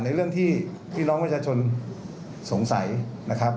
เรื่องที่พี่น้องประชาชนสงสัยนะครับ